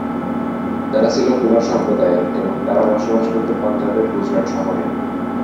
তারা ছিল কুমার সম্প্রদায়ের, এবং তারা বাস করত পাঞ্জাবের গুজরাট শহরে।